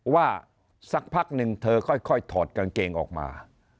สักพักหนึ่งเธอค่อยถอดกางเกงออกมา